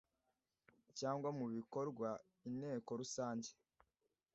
Cyangwa mu bikorwa inteko rusange